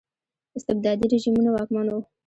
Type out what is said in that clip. استبدادي رژیمونه واکمن وو.